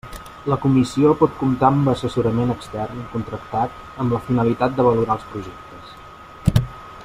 La Comissió pot comptar amb assessorament extern contractat amb la finalitat de valorar els projectes.